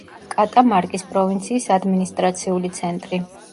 კატამარკის პროვინციის ადმინისტრაციული ცენტრი.